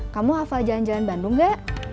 kamu hafal jalan jalan bandung gak